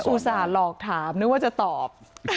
อุตส่าห์หลอกถามนึกว่าจะตอบ